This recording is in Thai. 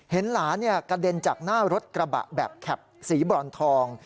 เห็นหลานกระเด็นจากหน้ารถกระบะแบบแคปสีบรอนทอง